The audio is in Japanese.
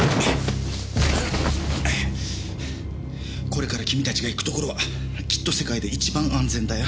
これから君たちが行くところはきっと世界で一番安全だよ。